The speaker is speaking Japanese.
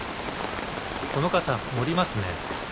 この傘漏りますね。